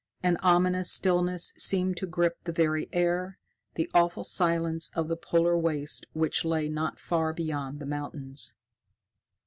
An ominous stillness seemed to grip the very air the awful silence of the polar wastes which lay not far beyond the mountains.